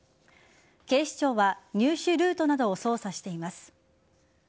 警視庁は入手ルートなどを捜査しています。